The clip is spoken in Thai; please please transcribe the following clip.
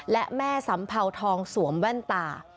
และแม่สำเภาทองสวมแว่นตา